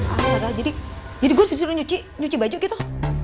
astaga jadi gue disuruh nyuci baju gitu